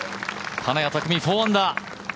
金谷拓実、４アンダー。